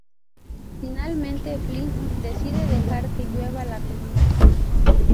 Finalmente, Flint decide dejar que llueva la comida.